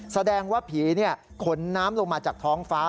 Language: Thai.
แสดงว่าผีขนน้ำลงมาจากท้องฟ้า